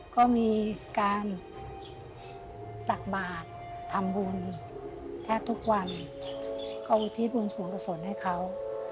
ก็มีการตักบาททำบุญแทบทุกวันก็อุทิศบุญสูงกษลให้เขา